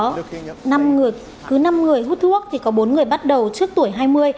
ông rishi sunak nhấn mạnh hiện tại anh có năm người cứ năm người hút thuốc thì có bốn người bắt đầu trước tuổi hai mươi